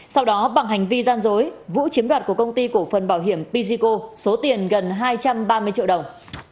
sau đó bằng hành vi gian dối vũ chiếm đoạt của công ty cổ phần bảo hiểm pysico số tiền gần hai trăm ba mươi triệu đồng